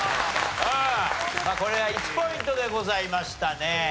これは１ポイントでございましたね。